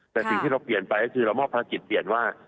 แต่สิ่งที่เราเปลี่ยนไปก็คือเรามอบภารกิจเปลี่ยนว่า